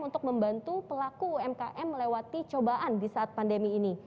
untuk membantu pelaku umkm melewati cobaan di saat pandemi ini